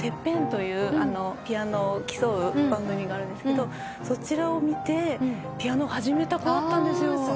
『ＴＥＰＰＥＮ』というピアノを競う番組があるんですけどそちらを見てピアノを始めた子だったんですよ。